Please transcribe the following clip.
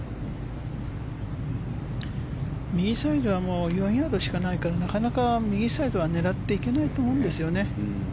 右サイドは４ヤードしかないからなかなか右サイドは狙っていけないと思うんですね。